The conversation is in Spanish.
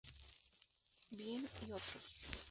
Bean y otros.